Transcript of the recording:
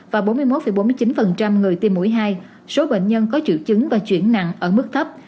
và bốn mươi một bốn mươi chín người tiêm mũi hai số bệnh nhân có triệu chứng và chuyển nặng ở mức thấp